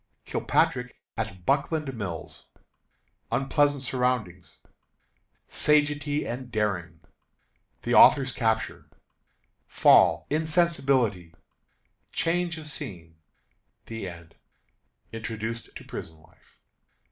Kilpatrick at Buckland Mills. Unpleasant Surroundings. Sagacity and Daring. The Author's Capture. Fall, Insensibility, Change of Scene. The End. Introduced to Prison Life.